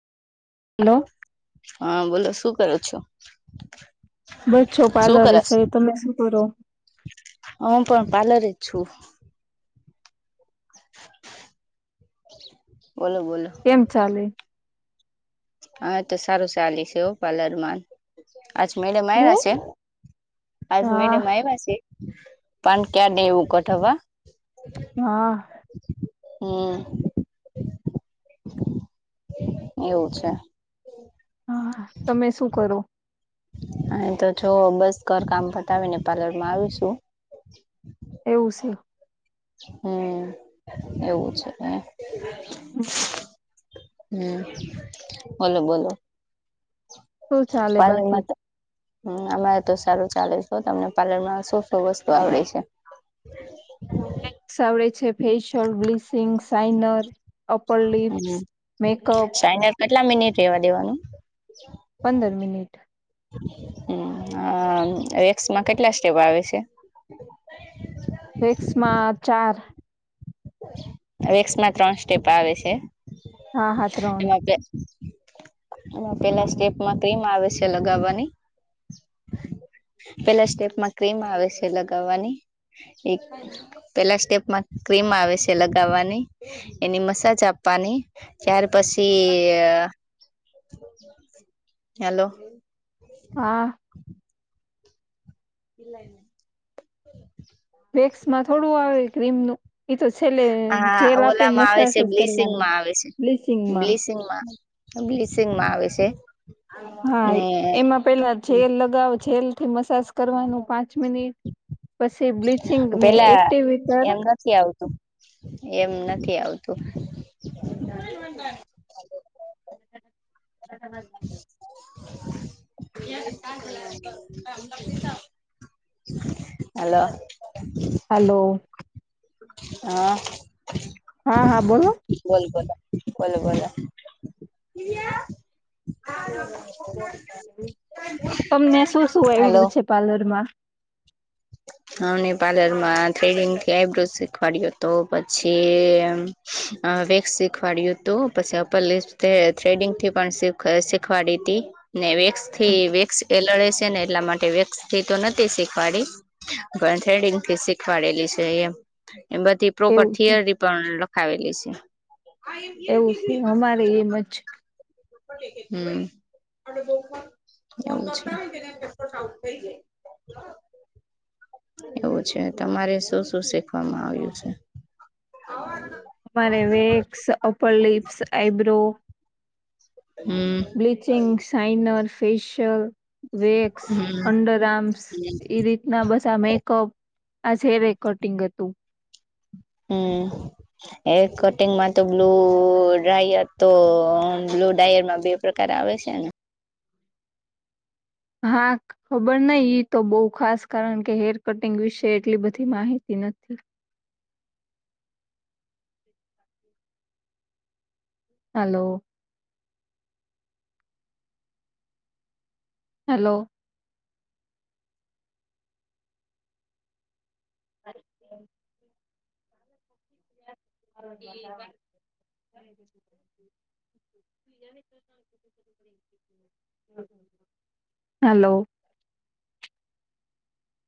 hello હા બોલો શું કરો છો બસ છો શું પાર્લરસ કરસ એ તમે શું કરો હું પણ પાર્લર જ છું બોલો બોલો કેમ ચાલે હા તો સારું ચાલે છેવ પાર્લરમાં આજ મેડમ હે આવ્યા છે આજ હા મેડમ આવ્યા છે પણ ક્યા દેવું કઠવા હા હમ એવું છે હા તમે શું કરો હા તો છ બસ ઘર કામ ફતાવીને પાર્લર માં આવીશું એવું છે હમ એવું છે હમ બોલો બોલો શું પ ચાલે બાકી [unintelligible] હમ અમારે તો સારું ચાલે છે તમને પાર્લર માં શું શું વસ્તુ આવડે છે આવડે છે ફસિયલ બ્લીચિંગ સાઇનર અપર લિપ્સ હમ મેકઅપ સાઈનર કેટલા મિનિટ રેવા દેવાનું પંદર મિનિટ હ એક્સમાં કેટલા સ્ટેપ આવે છે [unintelligible] વેક્સમાં ચાર ક્સમાં ત્રણ સ્ટેપ આવે છે હા હા ત્રણ એમાં અને પેલા સ્ટેપમાં ક્રીમ આવે છે લગાવવાની પેલા સ્ટેપમાં ક્રીમ આવે છે લગાવવાની એક પેલા સ્ટેપમાં ક્રીમ આવે છે લગાવવાની એની મસાજ આપવાની ત્યાર પછી હેલો હા એલા એ [unintelligible] વેક્સ માં થોડું આવે ક્રીમનું એ તો છેલ્લે હા જેલ આપેને ઓલામાં આવે મસા છે કરવાની બ્લીસિંગમાં આવે બ્લીચિંગમાં બ્લસિંગ માં આવે છે હા ને એમાં પેલા જેલ લગાવો જેલ થી મસાજ કરવાનું પાંચ મિનિટ પછી બ્લીચિંગ ને પેલા એક્ટિવટર એમ નથી આવતું એમ નથી આવતું [unintelligible] [inaudible] હાલ હલો હા હા હા બોલો બોલ બોલો બોલો બોલો તમને શું શું હલો આવડું છે પાર્લર માં [inaudible] અમને પાર્લર માં થ્રેડિંગ થી આઈબ્રોઝ શીખવાડ્યો હતો પછી અ વેક્સ શીખવાડ્યું હતું પછી અપર લપ થ્રેડિંગ થી પણ શીખવાડી તી ને વેક્સ થી વેક્સ એલડે છે ને એટલા માટે વેક્સ થી તો નથી શીખવાડી પણ થ્રેડિંગ થી શીખવાડેલી છે એમ બધી પ્રોપર એવું છે થીયર પણ લખાવેલી છે એવું છે અમારે એમ જ છે હમ [unintelligible] [inaudible] એવું છે તમારે શું શું શીખવામાં આવ્યું છે અમારે વેક્સ અપર લિપ્સ આઈબ્રો હમ બ્લીચિંગ સાઇનર ફેશિયલ વેકસ હમ અંડર આમસ રી ના બસ આ મેકઅપ આ જેેવે કટિંગ હતું હમ હેર કટિંગમાં તો બ્લુ ડાયર તો બ્લુ ડ્રાયરમાં બે પ્રકારારે આવે છે ને હાખ ખબર નહી ઈ તો બહુ ખાસ કારણ કે હેર કટિંગ વિશે એટલી બધી માહિતી નથી હલો હેલો અચ [unintelligible] હેલો